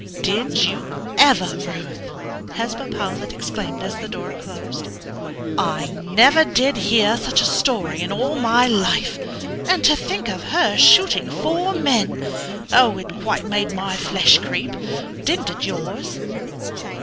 "Did you ever, Ruth?" Hesba Powlett exclaimed as the door closed. "I never did hear such a story in all my life. And to think of her shooting four men! It quite made my flesh creep; didn't it yours?"